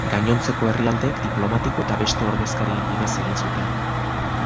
Gainontzeko herrialdeek diplomatiko eta beste ordezkarien bidez egin zuten.